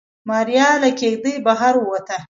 ماريا له کېږدۍ بهر ووته.